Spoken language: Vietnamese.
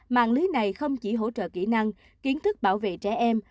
mạng lưới này không chỉ hỗ trợ kỹ năng kiến thức bảo vệ trẻ em